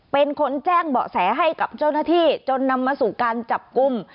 เป็นคนแจ้งเบาะแสให้กับเจ้าหน้าที่จนนำมาสู่การจับกลุ่ม